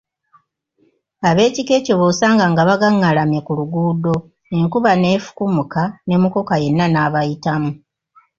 Ab'ekika ekyo b’osanga nga bagangalamye ku luguudo, enkuba ne fukumuka ne mukoka yenna n’abayitamu!